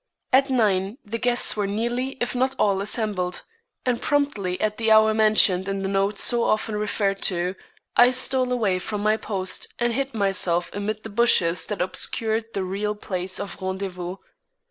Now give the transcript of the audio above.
At nine the guests were nearly if not all assembled; and promptly at the hour mentioned in the note so often referred to, I stole away from my post and hid myself amid the bushes that obscured the real place of rendezvous.